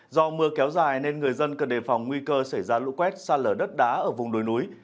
do mưa kéo dài nên người dân cần đề phòng nguy cơ xảy ra lũ quét xa lở đất đá ở vùng đồi núi